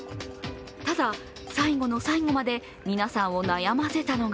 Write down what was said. ただ、最後の最後まで皆さんを悩ませたのが